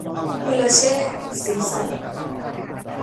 กุลเชษฐ ศรีสัตย์